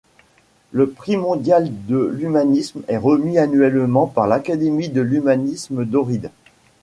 Le prix mondial de l'humanisme est remis annuellement par l'académie de l'humanisme d'Ohrid.